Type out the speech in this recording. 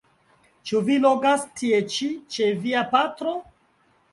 Ĉu vi logas tie ĉi ĉe via patro?